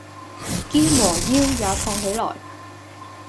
肩和腰也痛起來